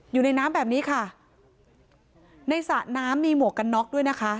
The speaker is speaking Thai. อยู่ในน้ำแบบนี้ค่ะในสระน้ำมีหมวกกันน็อกด้วยนะคะ